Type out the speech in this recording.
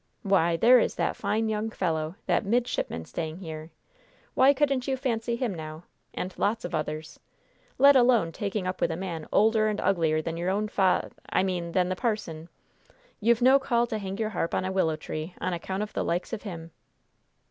Why, there is that fine young fellow, that midshipman staying here! Why couldn't you fancy him, now? And lots of others! Let alone taking up with a man older and uglier than your own fath I mean, than the parson! You've no call to hang your harp on a willow tree, on account of the likes of him!"